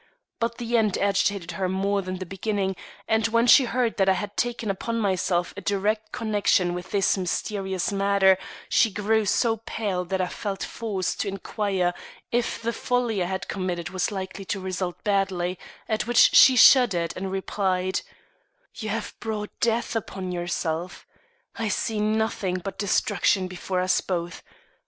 But the end agitated her more than the beginning, and when she heard that I had taken upon myself a direct connection with this mysterious matter, she grew so pale that I felt forced to inquire if the folly I had committed was likely to result badly, at which she shuddered and replied: "You have brought death upon yourself. I see nothing but destruction before us both.